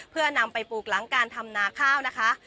เพื่อนำไปปลูกหลังการทำนาข้าวนะคะ